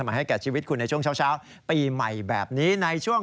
อยากจะไปทุกที่ทุกคนทุกแห่งให้มีไวไฟฟรีใช่ไหม